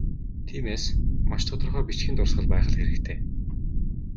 Тиймээс, маш тодорхой бичгийн дурсгал байх л хэрэгтэй.